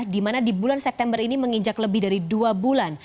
di mana di bulan september ini menginjak lebih dari dua bulan